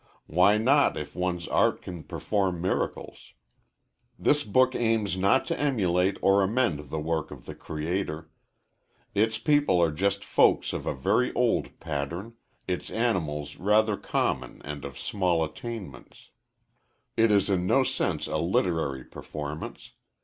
Why not, if one's art can perform miracles? This book aims not to emulate or amend the work of the Creator. Its people are just folks of a very old pattern, its animals rather common and of small attainments. It is in no sense a literary performance.